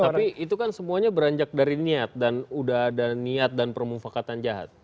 tapi itu kan semuanya beranjak dari niat dan udah ada niat dan permufakatan jahat